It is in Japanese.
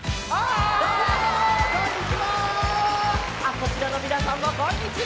こちらのみなさんもこんにちは！